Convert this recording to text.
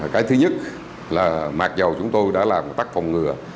cái thứ nhất là mặc dù chúng tôi đã làm tắt phòng ngừa